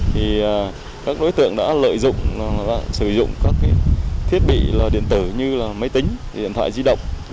thì các đối tượng đã lợi dụng sử dụng các thiết bị điện tử như là máy tính điện thoại di động